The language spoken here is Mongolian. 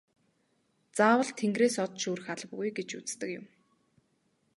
Заавал тэнгэрээс од шүүрэх албагүй гэж үздэг юм.